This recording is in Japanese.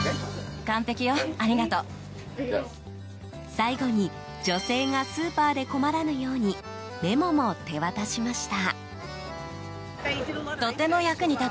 最後に女性がスーパーで困らぬようにメモも手渡しました。